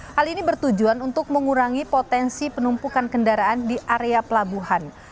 hal ini bertujuan untuk mengurangi potensi penumpukan kendaraan di area pelabuhan